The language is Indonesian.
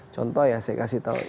contoh ya saya kasih tahu